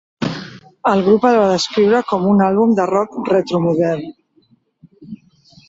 El grup el va descriure com un àlbum de rock retro modern.